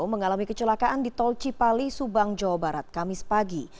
mengalami kecelakaan di tol cipali subang jawa barat kamis pagi